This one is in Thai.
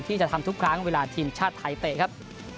ที่จะทำทุกครั้งเวลาทีมชาติไทยเตะครับ